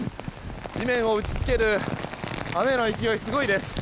地面を打ち付ける雨の勢いがすごいです。